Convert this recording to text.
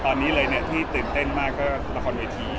และตอนนี้เลยที่ตื่นเต้นมากก็ละครวิธี